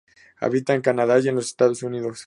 Habita en Canadá y en los Estados Unidos.